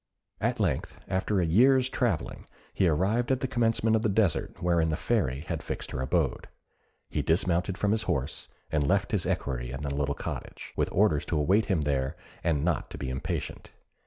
At length, after a year's travelling, he arrived at the commencement of the desert wherein the Fairy had fixed her abode; he dismounted from his horse, and left his equerry in a little cottage, with orders to await him there, and not to be impatient.